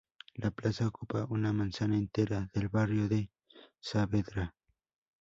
La plaza ocupa una manzana entera del barrio de Saavedra.